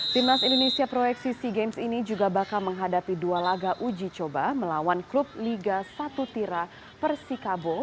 timnas indonesia proyeksi sea games ini juga bakal menghadapi dua laga uji coba melawan klub liga satu tira persikabo